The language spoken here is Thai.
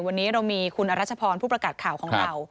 วันนี้เรามีคุณอรัชพรผู้ประกาศข่าวของเรา